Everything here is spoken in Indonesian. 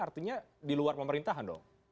artinya di luar pemerintahan dong